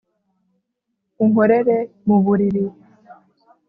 unkorere mu buriri